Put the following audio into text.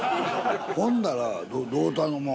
ほんならどう頼もう？